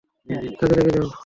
কাজে লেগে যাও।